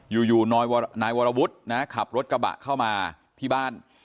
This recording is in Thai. อยู่นายวรวุฒินะขับรถกระบะเข้ามาที่บ้าน